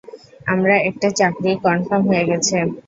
আমার একটা চাকরি কনফার্ম হয়ে গেছে!